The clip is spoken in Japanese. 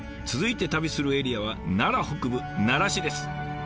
続いて旅するエリアは奈良北部奈良市です。